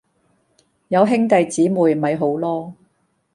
有兄弟姐妹咪好囉